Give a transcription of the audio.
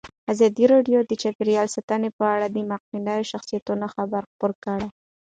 ازادي راډیو د چاپیریال ساتنه په اړه د مخکښو شخصیتونو خبرې خپرې کړي.